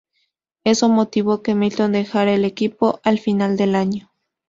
Eso motivó que Milton dejara el equipo al final del año.